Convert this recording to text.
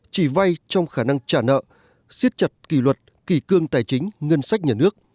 chỉ vay trong khả năng trả nợ siết chặt kỷ luật kỳ cương tài chính ngân sách nhà nước